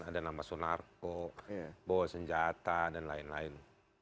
ada nama sunarko bawa senjata dan lain lain